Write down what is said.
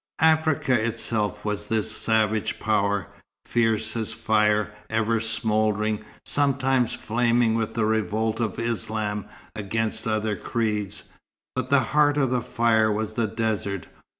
Africa itself was this savage power, fierce as fire, ever smouldering, sometimes flaming with the revolt of Islam against other creeds; but the heart of the fire was the desert.